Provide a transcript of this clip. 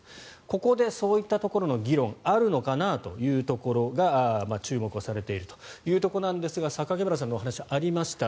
ここでそういったところの議論があるのかなというところが注目されているというところなんですが榊原さんのお話にもありました